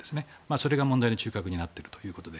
それが問題の中核になっているということで。